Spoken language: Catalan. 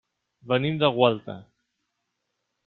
Venim de Gualta.